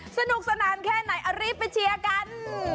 สนุกสนานแค่ไหนรีบไปเชียร์กัน